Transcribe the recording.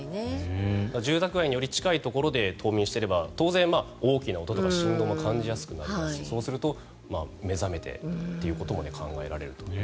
住宅街により近いところで冬眠していれば当然、大きな音とか振動も感じやすくなりますしそうすると目覚めてということまで考えられると。